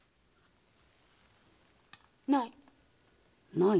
ない。